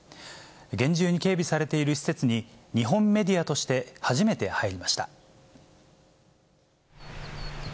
厳重に警備されている施設に、日本メディアとして初めて入りました。